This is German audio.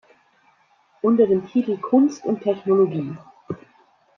Unter dem Titel "Kunst und Technologie.